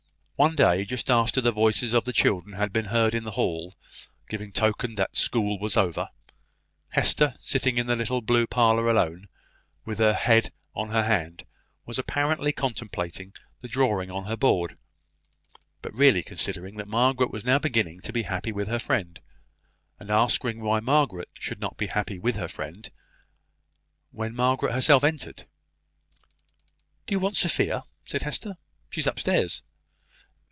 One day, just after the voices of the children had been heard in the hall, giving token that school was over, Hester, sitting in the little blue parlour alone, with her head on her hand, was apparently contemplating the drawing on her board, but really considering that Margaret was now beginning to be happy with her friend, and asking why Margaret should not be happy with her friend, when Margaret herself entered. "Do you want Sophia?" said Hester. "She is up stairs."